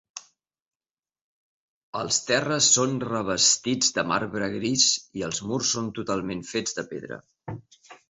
Els terres són revestits de marbre gris i els murs són totalment fets de pedra.